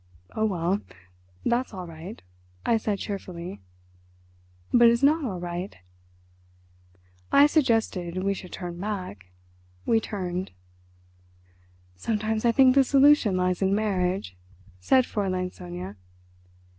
"Oh, well, that's all right," I said cheerfully. "But it is not all right!" I suggested we should turn back. We turned. "Sometimes I think the solution lies in marriage," said Fräulein Sonia.